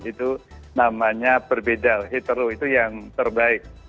itu namanya berbeda hetero itu yang terbaik